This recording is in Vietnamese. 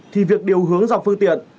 thì việc điều hướng dọc phư tiện